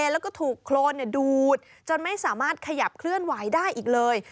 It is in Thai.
แล้วก็ถูกโครนดูดจนไม่สามารถขยับเคลื่อนไหวได้อีกเลย